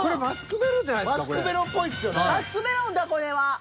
マスクメロンだこれは。